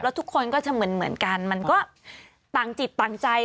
ทุกคนก็จะเหมือนกันมันก็ต่างจิตต่างใจ